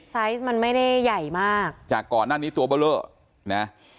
สไซส์มันไม่ได้ใหญ่มากจากก่อนหน้านี้ตัวเบลอ